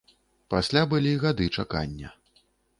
Пасля былі гады чакання.